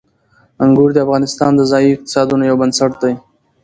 انګور د افغانستان د ځایي اقتصادونو یو بنسټ دی.